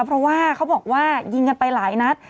เพราะว่าเขาบอกว่ายิงกันไปหลายนัด